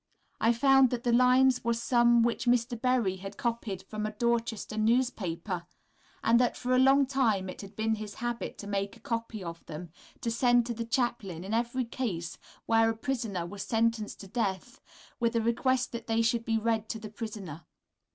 I found that the lines were some which Mr. Berry had copied from a Dorchester newspaper, and that for a long time it had been his habit to make a copy of them, to send to the chaplain in every case where a prisoner was sentenced to death, with a request that they should be read to the prisoner.